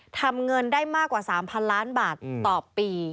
ทำเงินได้มากกว่า๓๐๐๐ล้านบาทต่อปี